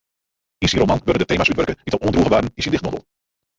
Yn syn roman wurde de tema's útwurke dy't al oandroegen waarden yn syn dichtbondel.